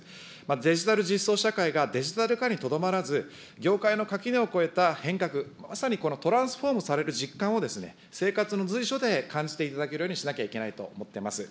デジタル実装社会がデジタル化にとどまらず、業界の垣根を越えた変革、まさにトランスフォームされる実感を、生活の随所で感じていただけるようにしなきゃいけないと思っています。